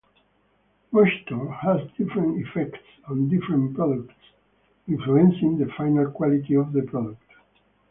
Moisture has different effects on different products, influencing the final quality of the product.